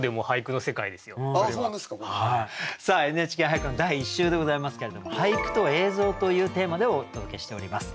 「ＮＨＫ俳句」の第１週でございますけれども「俳句と映像」というテーマでお届けしております。